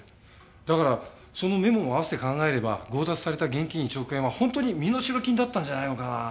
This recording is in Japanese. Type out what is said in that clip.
だからそのメモも併せて考えれば強奪された現金１億円は本当に身代金だったんじゃないのかなって。